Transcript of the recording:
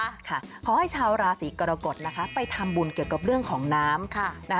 เพราะให้ชาวราศีกรกฎไปทำบุญเกี่ยวกับเรื่องของน้ำ